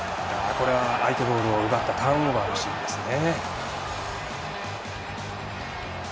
これは相手ボールを奪ったターンオーバーのシーンですね。